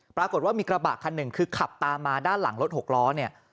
ปรากฏว่ามีกระบะคันหนึ่งคือขับตามมาด้านหลังรถหกล้อเนี่ย